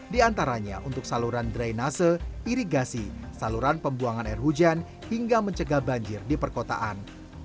di antaranya untuk saluran drainase irigasi saluran pembuangan air hujan hingga mencegah banjir di perkotaan